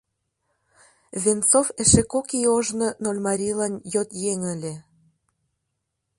Венцов эше кок ий ожно Нольмарийлан йот еҥ ыле.